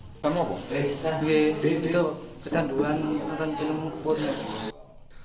dek itu setanduan nonton film porno